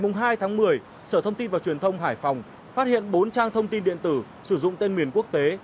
ngày hai tháng một mươi sở thông tin và truyền thông hải phòng phát hiện bốn trang thông tin điện tử sử dụng tên miền quốc tế